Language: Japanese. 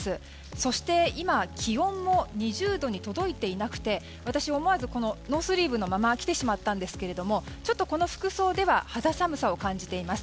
そして、今気温も２０度に届いていなくて私、思わずノースリーブのまま来てしまったんですがちょっとこの服装では肌寒さを感じています。